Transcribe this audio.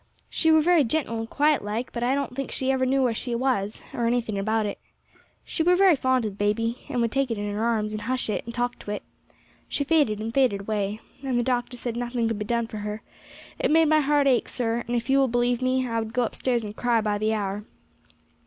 She were very gentle and quiet like, but I don't think she ever knew where she was, or anything about it. She were very fond of baby, and would take it in her arms, and hush it, and talk to it. She faded and faded away, and the doctor said nothing could be done for her; it made my heart ache, sir, and if you will believe me, I would go upstairs and cry by the hour.